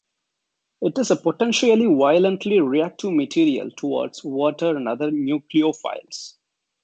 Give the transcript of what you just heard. It is a potentially violently reactive material towards water and other nucleophiles.